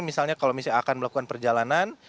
misalnya kalau misalnya akan melakukan perjalanan